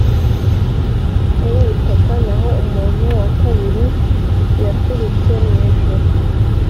uw’ubutaka: naho umuntu wa kabiri yaturutse mw’ijuru,